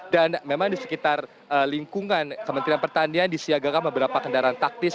dan memang disekitar lingkungan kementerian pertanian disiagakan beberapa kendaraan taktis